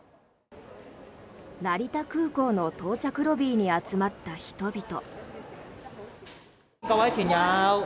成田空港の到着ロビーに集まった人々。